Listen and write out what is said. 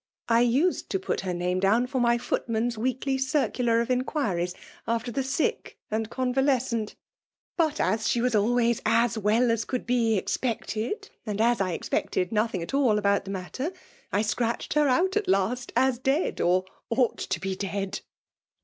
I used to put her FKMALE DOMINATION. 265 name down for my footman's weekly circular of inquiries after the sick and convalescent ; but as she was always 'as well as could be expected/ and as I expected nothing at all about the matter^ I scratched her out at last as dead — or ought to be dead."